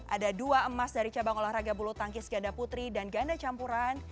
ada dua emas dari cabang olahraga bulu tangkis ganda putri dan ganda campuran